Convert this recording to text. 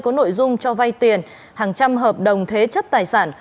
có nội dung cho vay tiền hàng trăm hợp đồng thế chất tài sản